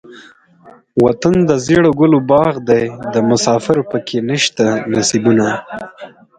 وطن دزيړو ګلو باغ دے دمسافرو پکښې نيشته نصيبونه